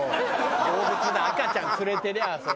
動物だ赤ちゃん連れてりゃそりゃ。